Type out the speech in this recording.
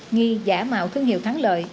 nghi giả mạo thương hiệu thắng lợi